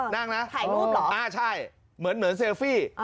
ถ่ายรูปเหรออ่าใช่เหมือนเซฟฟี่